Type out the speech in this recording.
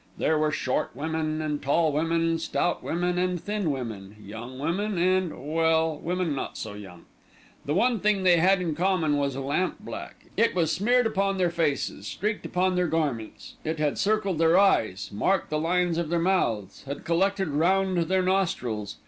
There were short women and tall women, stout women and thin women, young women and well, women not so young. The one thing they had in common was lamp black. It was smeared upon their faces, streaked upon their garments; it had circled their eyes, marked the lines of their mouths, had collected round their nostrils.